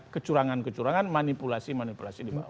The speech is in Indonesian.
kecurangan kecurangan manipulasi manipulasi di bawah